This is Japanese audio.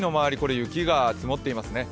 雪が積もっていますね。